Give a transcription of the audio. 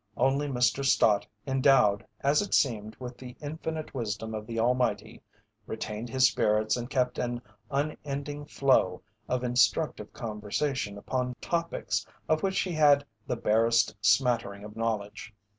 Only Mr. Stott, endowed, as it seemed, with the infinite wisdom of the Almighty, retained his spirits and kept up an unending flow of instructive conversation upon topics of which he had the barest smattering of knowledge.